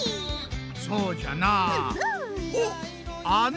そうじゃなあ。